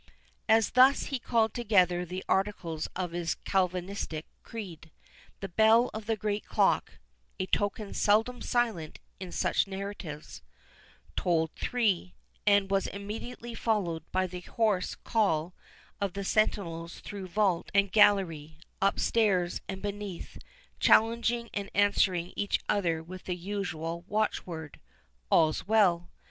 As thus he called together the articles of his Calvinistic creed, the bell of the great clock (a token seldom silent in such narratives) tolled three, and was immediately followed by the hoarse call of the sentinels through vault and gallery, up stairs and beneath, challenging and answering each other with the usual watch word, All's Well.